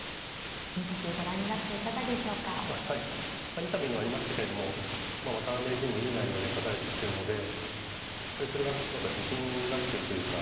インタビューにもありましたけれども渡辺名人にいい内容で勝たれてきてるのでやっぱりそれが何か自信になってるというか。